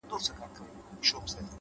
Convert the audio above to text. هره لاسته راوړنه له ژمنتیا پیاوړې کېږي!